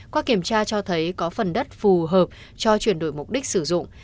qua kiểm tra cho thấy có phần đất phù hợp cho chuyển đổi mục đích sử dụng